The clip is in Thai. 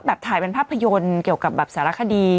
ถ่ายเป็นภาพยนตร์เกี่ยวกับแบบสารคดี